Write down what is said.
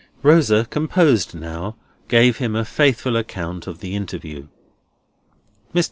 Rosa, composed now, gave him a faithful account of the interview. Mr.